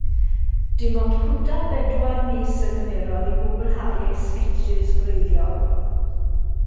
Dim ond cwta bedwar mis a gymerodd i gwblhau ei sgetsys gwreiddiol.